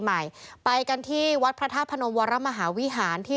ใหม่ไปกันที่วัดพระธาตุพนมวรมหาวิหารที่